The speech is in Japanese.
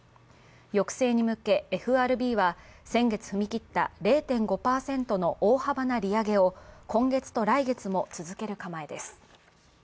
抑制に向け、ＦＲＢは先月踏み切った０．５％の大幅な利上げを今月と来月も続ける構えです。